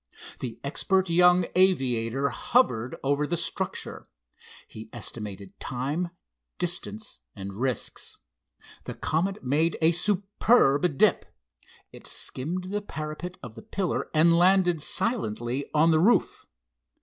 The expert young aviator hovered over the structure. He estimated time, distance and risks. The Comet made a superb dip. It skimmed the parapet of the pillar and landed silently on the roof.